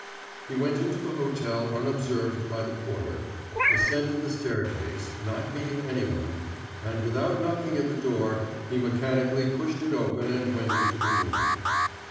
He went into the hotel unobserved by the porter, ascended the staircase, not meeting any one, and without knocking at the door, he mechanically pushed it open and went into the room.